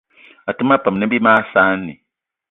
Até ma peum ne bí mag saanì